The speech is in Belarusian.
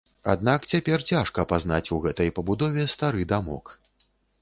Аднак цяпер цяжка пазнаць у гэтай пабудове стары дамок.